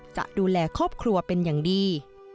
จะดูแลครอบครัวเป็นอย่างดี